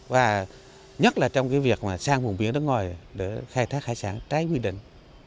và nhất là trong việc sang vùng biển nước ngoài để khai thác hải sản trái quy định